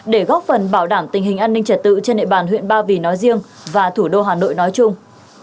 để góp phần bảo đảm tình hình an ninh trật tự trên địa bàn huyện ba vì nói riêng và thủ đô hà nội nói chung